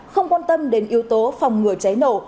không quan tâm đến yếu tố phòng ngừa cháy nổ